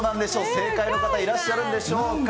正解の方、いらっしゃるんでしょうか。